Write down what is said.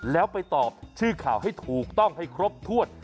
แล้วไปตอบชื่อข่าวให้ถูกต้องให้ครบถ้วน